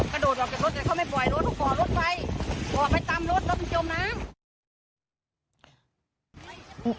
กระโดดห่อจัดรถแต่เขาไม่ปล่อยรถถูกห่อรถไปห่อไปจำรถแล้วมันจมน้ำ